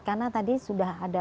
karena tadi sudah ada